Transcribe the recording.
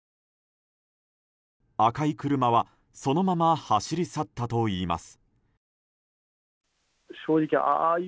赤い車はそのまま走り去ったといいます。